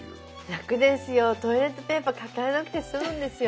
楽ですよトイレットペーパー抱えなくて済むんですよ。